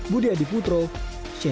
budi adiputro siengdara